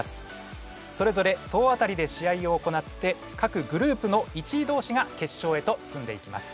それぞれそうあたりで試合を行ってかくグループの１位どうしが決勝へと進んでいきます。